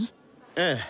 ええ。